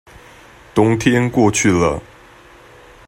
冬天過去了